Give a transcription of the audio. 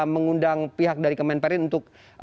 mengundang pihak dari kemen perin untuk